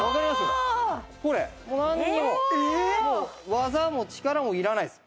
技も力もいらないです。